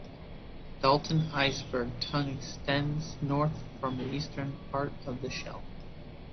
Dalton Iceberg Tongue extends north from the eastern part of the shelf.